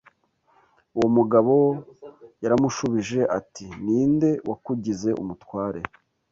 Uwo mugabo yaramushubije ati ni nde wakugize umutware